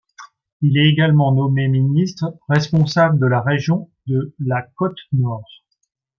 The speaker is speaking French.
Il est également nommé ministre responsable de la région de la Côte-Nord.